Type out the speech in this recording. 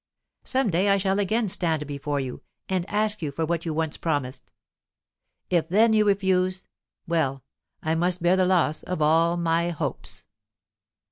Some day I shall again stand before you, and ask you for what you once promised. If then you refuse well, I must bear the loss of all my hopes."